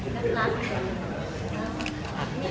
กลับมา